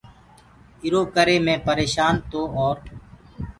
ايٚرو ڪري مي پريشآن تو اور